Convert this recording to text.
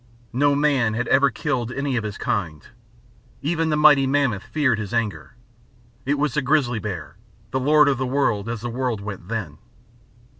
No man had ever killed any of his kind. Even the mighty mammoth feared his anger. It was the grizzly bear, the lord of the world as the world went then.